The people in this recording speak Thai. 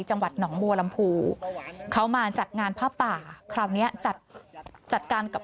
จังหวัดหนองบัวลำพูเขามาจัดงานภาพป่า